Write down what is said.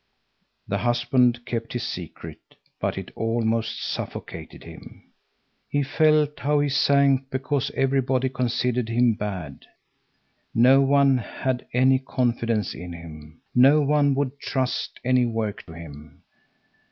The husband kept his secret, but it almost suffocated him. He felt how he sank, because everybody considered him bad. No one had any confidence in him, no one would trust any work to him.